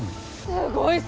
すごい！